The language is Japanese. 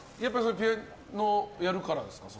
ピアノやるからですか？